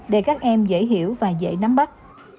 để các em dễ hiểu và giải thích